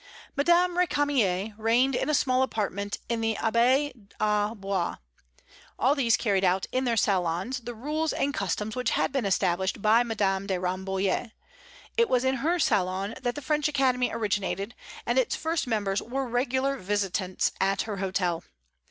Madame Récamier reigned in a small apartment in the Abbaye au Bois. All these carried out in their salons the rules and customs which had been established by Madame de Rambouillet, It was in her salon that the French Academy originated, and its first members were regular visitants at her hotel.